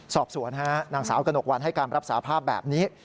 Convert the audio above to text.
สอบสวนฮะนางสาวกระหนกวันให้การรับสาภาพแบบนี้